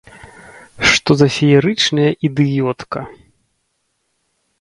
Што за феерычная ідыётка!